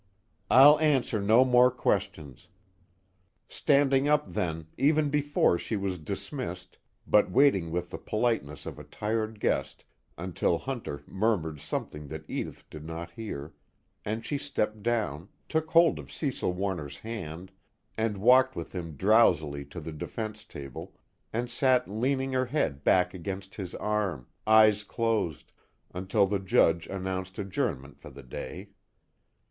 "I'll answer no more questions " standing up then, even before she was dismissed, but waiting with the politeness of a tired guest until Hunter murmured something that Edith did not hear; and she stepped down, took hold of Cecil Warner's hand, and walked with him drowsily to the defense table, and sat leaning her head back against his arm, eyes closed, until the Judge announced adjournment for the day.